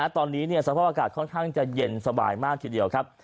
ตอนนี้สภาพอากาศค่อนข้างจะเย็นสบายมากทีเดียวครับ